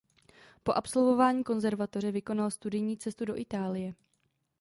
Po absolvování konzervatoře vykonal studijní cestu do Itálie.